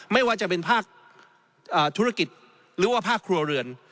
ไม่ว่าจะเป็นภาคธุรกิจหรือว่าภาคครัวเรือน